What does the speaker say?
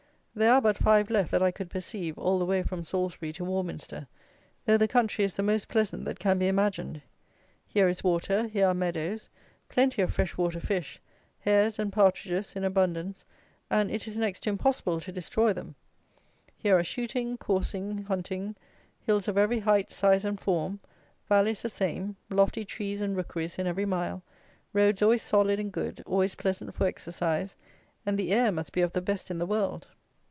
There are but five left, that I could perceive, all the way from Salisbury to Warminster, though the country is the most pleasant that can be imagined. Here is water, here are meadows; plenty of fresh water fish; hares and partridges in abundance, and it is next to impossible to destroy them. Here are shooting, coursing, hunting; hills of every height, size, and form; valleys, the same; lofty trees and rookeries in every mile; roads always solid and good; always pleasant for exercise; and the air must be of the best in the world.